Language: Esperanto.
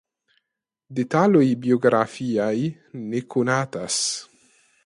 Detaloj biografiaj ne konatas.